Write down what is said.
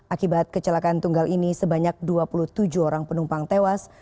akibat kecelakaan tunggal ini sebanyak dua puluh tujuh orang penumpang tewas